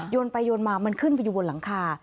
นไปโยนมามันขึ้นไปอยู่บนหลังคา